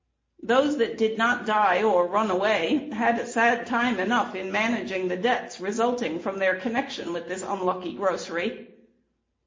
Those that did not die or run away had a sad time enough in managing the debts resulting from their connection with this unlucky grocery.